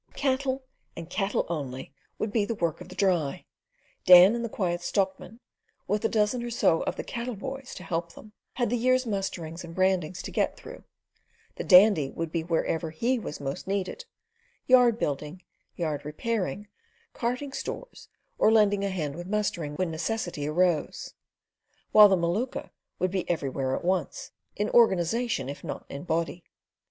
Cattle, and cattle only, would be the work of the "Dry." Dan and the Quiet Stockman, with a dozen or so of cattle "boys" to help them, had the year's musterings and brandings to get through; the Dandy would be wherever he was most needed; yard building, yard repairing, carting stores or lending a hand with mustering when necessity arose, while the Maluka would be everywhere at once, in organisation if not in body.